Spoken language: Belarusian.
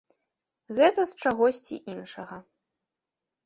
Гэта з чагосьці іншага!